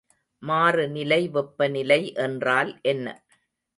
மாறுநிலை வெப்பநிலை என்றால் என்ன?